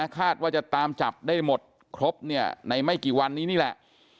คาดว่าจะตามจับได้หมดครบในไม่กี่วันนี้นี่แหละ